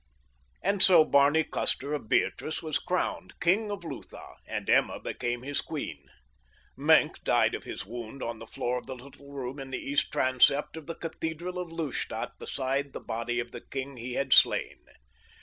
And so Barney Custer, of Beatrice, was crowned King of Lutha, and Emma became his queen. Maenck died of his wound on the floor of the little room in the east transept of the cathedral of Lustadt beside the body of the king he had slain.